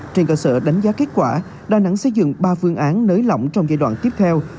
trên cơ sở đánh giá kết quả đà nẵng xây dựng ba phương án nới lỏng trong giai đoạn tiếp theo